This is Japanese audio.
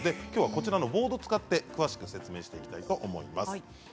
きょうはこちらのボードを使って詳しく説明していきたいと思います。